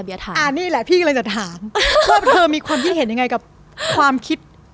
เดี๋ยวถามนี่แหละพี่กำลังจะถามว่าเธอมีความคิดเห็นยังไงกับความคิด